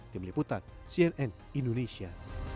tim liputan cnn indonesia